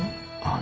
あ。